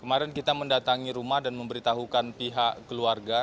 kemarin kita mendatangi rumah dan memberitahukan pihak keluarga